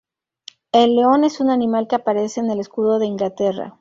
El león es un animal que aparece en el Escudo de Inglaterra.